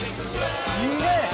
いいね！